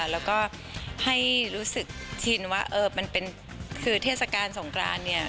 แล้วก็ให้รู้สึกชินว่ามันเป็นคือเทศกาลสงกรานเนี่ย